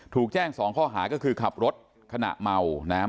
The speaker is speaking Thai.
ถูกแจ้ง๒ข้อหาก็คือขับรถขณะเมานะครับ